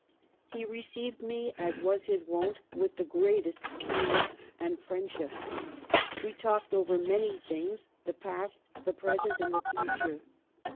He received me, as was his wont, with the greatest kindness and friendship. We talked over many things, the past, the present, and the future.